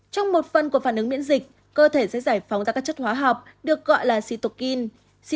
trong một phần của phản ứng miễn dịch cơ thể sẽ giải phóng ra các chất hóa học được gọi là xitukin